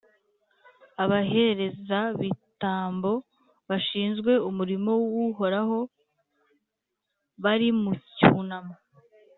abaherezabitambo bashinzwe umurimo w’Uhoraho bari mu cyunamo.